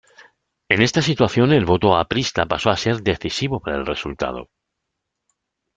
En esta situación, el voto aprista pasó a ser decisivo para el resultado.